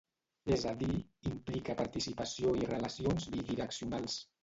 És a dir, implica participació i relacions bidireccionals.